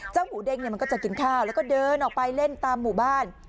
หมูเด้งเนี่ยมันก็จะกินข้าวแล้วก็เดินออกไปเล่นตามหมู่บ้าน